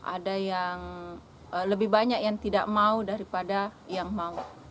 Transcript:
ada yang lebih banyak yang tidak mau daripada yang mau